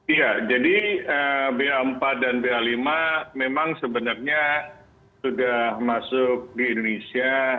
iya jadi ba empat dan ba lima memang sebenarnya sudah masuk di indonesia